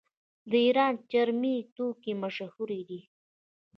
د ایران چرمي توکي مشهور دي.